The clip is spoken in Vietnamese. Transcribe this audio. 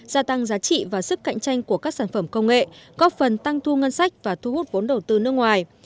gia tăng giá trị và sức cạnh tranh của các sản phẩm công nghệ góp phần tăng thu ngân sách và thu hút vốn đầu tư nước ngoài